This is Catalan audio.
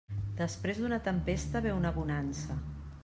Després d'una tempesta ve una bonança.